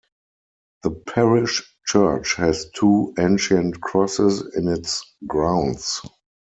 The parish church has two ancient crosses in its grounds.